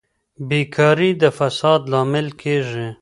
بېکاري د فساد لامل کیږي.